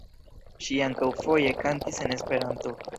Ŝi ankaŭ foje kantis en Esperanto.